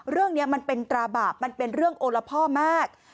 เรื่องนี้มันเป็นตราบาปมันเป็นเรื่องโอละพ่อมาก